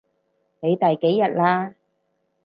你第幾日喇？